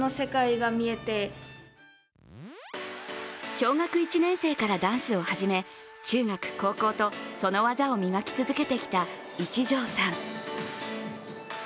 小学１年生からダンスを始め中学、高校とその技を磨き続けてきた一条さん。